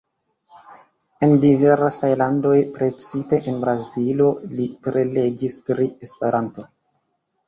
En diversaj landoj, precipe en Brazilo, li prelegis pri Esperanto.